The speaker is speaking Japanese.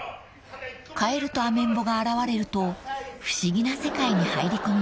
［カエルとアメンボが現れると不思議な世界に入り込みます］